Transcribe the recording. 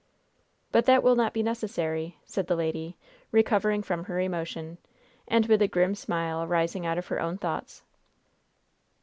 "But that will not be necessary," said the lady, recovering from her emotion, and with a grim smile arising out of her own thoughts.